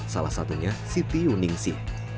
salah satunya siti yuningsi